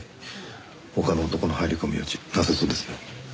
他の男の入り込む余地なさそうですね。